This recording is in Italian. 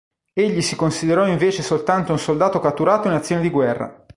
Egli si considerò invece soltanto un soldato catturato in azione di guerra.